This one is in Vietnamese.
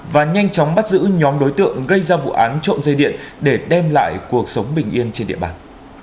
và nhanh chóng bắt giữ nhóm đối tượng gây ra vụ án trộm dây điện để đem lại cuộc sống bình yên trên địa bàn